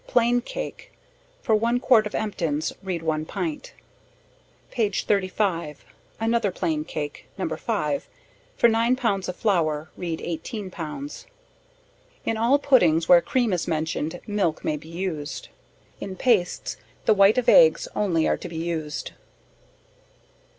Plain cake; for 1 quart of emptins, read 1 pint. Page 35. Another plain cake, No. 5; for 9 pounds of flour, read 18 pounds. In all Puddings, where cream is mentioned, milk may be used. In pastes, the white of eggs only are to be used.